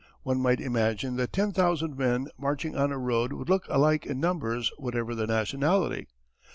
One might imagine that ten thousand men marching on a road would look alike in numbers whatever the nationality.